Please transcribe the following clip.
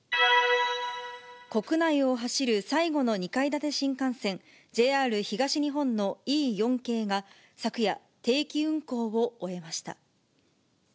国内を走る最後の２階建て新幹線、ＪＲ東日本のＥ４系が、昨夜、定期運行を終えました。